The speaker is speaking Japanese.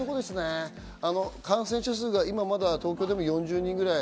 感染者数が今、東京でも４０人ぐらい。